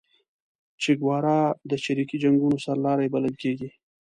چیګوارا د چریکي جنګونو سرلاری بللل کیږي